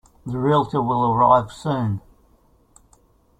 The Realtor will arrive soon.